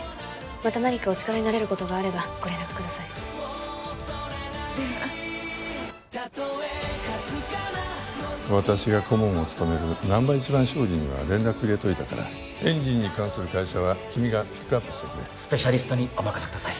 また何かお力になれることがあればご連絡くださいでは私が顧問を務める難波一番商事には連絡入れといたからエンジンに関する会社は君がピックアップしてくれスペシャリストにお任せください